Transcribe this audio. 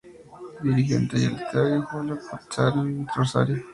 Dirigió el Taller Literario "Julio Cortázar" en Rosario.